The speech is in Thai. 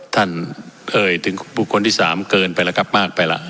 ท่านเอ่ยผู้คนที่๓เกินไปแล้วกับมากไปละ